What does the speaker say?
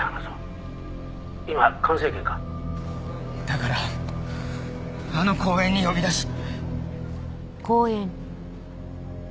だからあの公園に呼び出し。